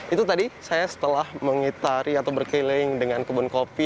itu tadi saya setelah mengitari atau berkeliling dengan kebun kopi